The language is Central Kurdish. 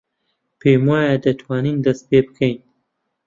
پێم وایە دەتوانین دەست پێ بکەین.